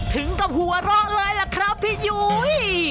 ถึงกับหัวเราะเลยล่ะครับพี่ยุ้ย